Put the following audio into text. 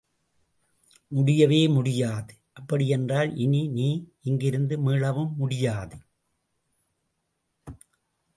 முடியவே முடியாது...! அப்படியென்றால் இனி நீ இங்கிருந்து மீளவும் முடியாது.